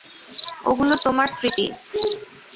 ওগুলো তোমার স্মৃতি।